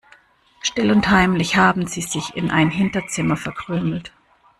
Still und heimlich haben sie sich in ein Hinterzimmer verkrümelt.